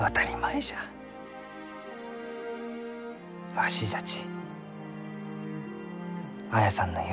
わしじゃち綾さんの夢